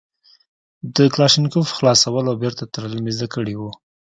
د کلاشينکوف خلاصول او بېرته تړل مې زده کړي وو.